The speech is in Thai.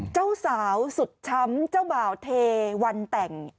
เจ้าสาวสุดช้ำเจ้าบ่าวเทวันแต่ง